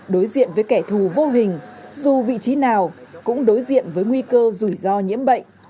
đối diện với kẻ thù vô hình dù vị trí nào cũng đối diện với nguy cơ rủi ro nhiễm bệnh